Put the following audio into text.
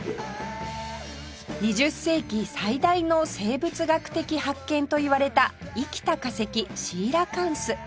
２０世紀最大の生物学的発見といわれた生きた化石シーラカンス